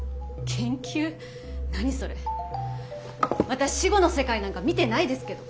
私死後の世界なんか見てないですけど。